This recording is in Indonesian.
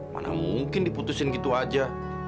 mana mungkin diputusin gitu aja